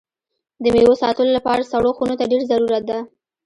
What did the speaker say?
د میوو ساتلو لپاره سړو خونو ته ډېر ضرورت ده.